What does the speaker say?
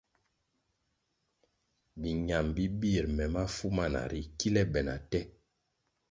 Biñam bi bir me mafu mana ri kile be na te.